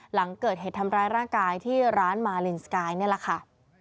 หลังเกิดเหตุทำร้ายร่างกายที่ร้านมาลินสกายนี่แหละค่ะ